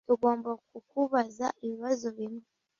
Tugomba kukubaza ibibazo bimwe